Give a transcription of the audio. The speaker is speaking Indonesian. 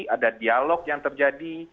ada dialog yang terjadi